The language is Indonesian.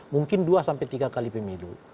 mungkin dua sampai tiga kali pemilu